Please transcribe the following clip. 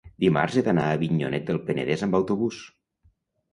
dimarts he d'anar a Avinyonet del Penedès amb autobús.